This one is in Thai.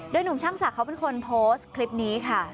หนุ่มช่างศักดิ์เขาเป็นคนโพสต์คลิปนี้ค่ะ